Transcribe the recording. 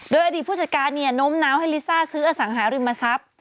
โดยอดีตผู้จัดการโน้มน้าวให้ลิซ่าซื้ออสังหาริมทรัพย์